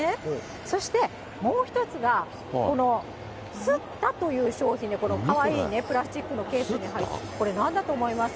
そしてもう一つが、このスッタという商品で、このかわいいね、プラスチックのケースに入った、これなんだと思います？